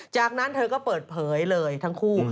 จากนั้นเธอก็เปิดเผยเลยทั้งคู่